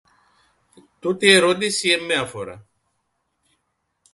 Τούτη η ερώτηση εν με αφορά.